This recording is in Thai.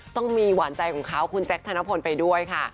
ต้องมีหวานใจของเขาคุณแจ๊คธนพลไปด้วยค่ะ